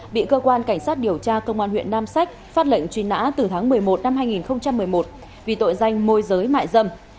bị cơ quan cảnh sát điều tra công an huyện nam sách phát lệnh truy nã từ tháng một mươi một năm hai nghìn một mươi một vì tội danh môi giới mại dâm